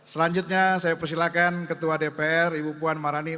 selanjutnya saya persilahkan ketua dpr ibu puan marani